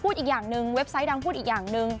อีกอย่างหนึ่งเว็บไซต์ดังพูดอีกอย่างหนึ่ง